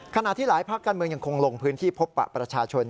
ขณะที่หลายภาคการเมืองยังคงลงพื้นที่พบปะประชาชน